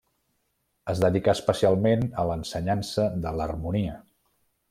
Es dedicà especialment a l'ensenyança de l'harmonia.